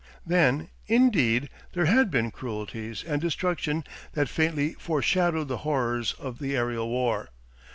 Then, indeed, there had been cruelties and destruction that faintly foreshadowed the horrors of the aerial war.